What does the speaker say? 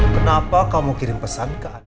kenapa kamu kirim pesan